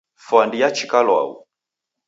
Fwandi yachika lwau